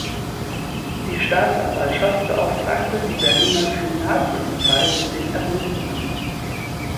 Die Staatsanwaltschaft beauftragte die Berliner Kriminalpolizei mit den Ermittlungen.